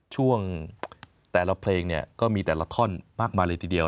ช่วงแต่ละเพลงก็มีแต่ละข้อนมากในตีเดียว